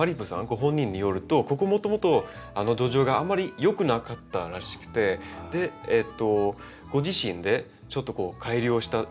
ご本人によるとここもともと土壌があんまりよくなかったらしくてでご自身でちょっと改良したらしいんですね。